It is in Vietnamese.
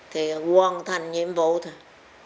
thì hoàn thành nhiệm vụ thôi